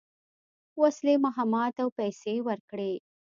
وسلې، مهمات او پیسې ورکړې.